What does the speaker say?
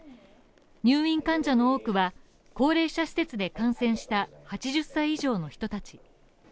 入院患者の多くは高齢者施設で感染した８０歳以上の人たち。